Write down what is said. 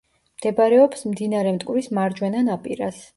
მდებარეობს მდინარე მტკვრის მარჯვენა ნაპირას.